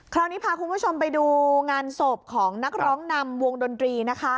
คราวนี้พาคุณผู้ชมไปดูงานศพของนักร้องนำวงดนตรีนะคะ